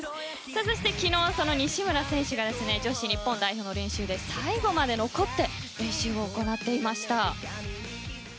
そして昨日、西村選手が女子日本代表の練習で最後まで残って練習を行っていました。